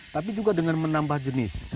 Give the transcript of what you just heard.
tapi juga dengan menambah jenis